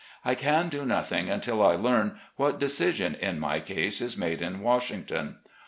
I can do nothing until I learn what decision in my case is made in Washington.